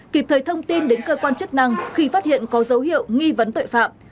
kịp thời thông tin đến cơ quan chức năng khi phát hiện có dấu hiệu nghi vấn tội phạm